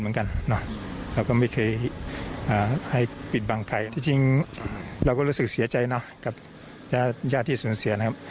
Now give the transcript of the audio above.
ที่จริงเราก็รู้สึกเสียใจกับญาติที่ส่วนเสีย